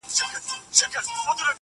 اوس د شپې سوي خوبونه زما بدن خوري.